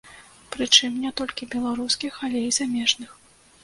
Прычым не толькі беларускіх, але і замежных.